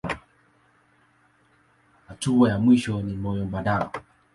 Hatua ya mwisho ni moyo mbadala.